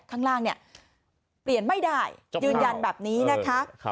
ข้างล่างเนี่ยเปลี่ยนไม่ได้ยืนยันแบบนี้นะคะ